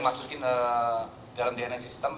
masukin dalam dns sistem